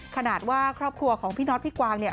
ขนาดว่าครอบครัวของพี่น็อตพี่กวางเนี่ย